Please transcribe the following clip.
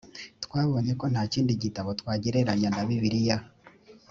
twabonye ko nta kindi gitabo twagereranya na bibiliya